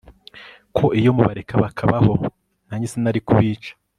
ko iyo mubareka bakabaho nanjye sinari kubica